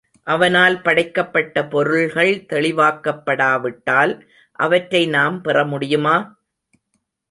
அவனால் படைக்கப்பட்ட பொருள்கள் தெளிவாக்கப்படாவிட்டால், அவற்றை நாம் பெறமுடியுமா?